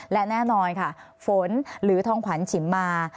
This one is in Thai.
และแน่นอนค่ะฝนหรือทองขวัญฉิมมา